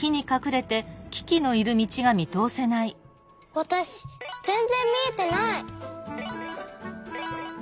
わたしぜんぜんみえてない！